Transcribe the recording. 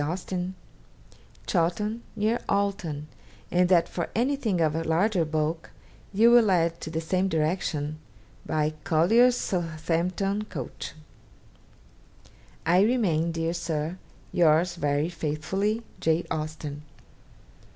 Austen), Chawton, near Alton; and that for anything of a larger bulk, you will add to the same direction, by Collier's Southampton coach. 'I remain, dear Sir, 'Yours very faithfully, 'J. AUSTEN.'